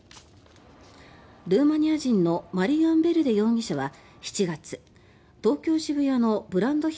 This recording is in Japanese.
ルーマニア人のマリアン・ヴェルデ容疑者は７月東京・渋谷のブランド品